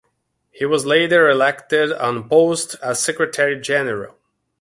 He was later elected unopposed as secretary general.